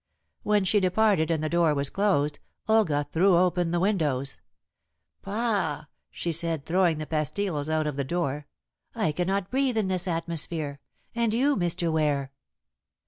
When she departed and the door was closed, Olga threw open the windows. "Pah!" she said, throwing the pastiles out of doors, "I cannot breathe in this atmosphere. And you, Mr. Ware?"